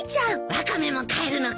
ワカメも帰るのか。